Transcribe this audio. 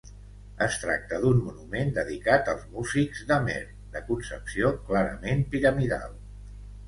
Es tracta d'un monument, dedicat als músics d'Amer, de concepció clarament piramidal.